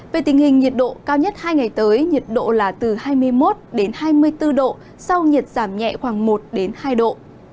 về tình hình nhiệt độ cao nhất hai ngày tới nhiệt độ là từ hai mươi một hai mươi bốn độ sau nhiệt giảm nhẹ khoảng một hai độ